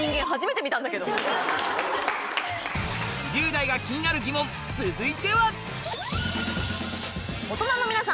１０代が気になる疑問続いては！